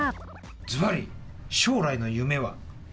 ずばり、将来の夢は？